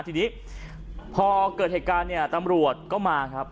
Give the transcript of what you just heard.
ทีนี้พอเกิดเหตุการณ์เนี่ยตำรวจก็มาครับ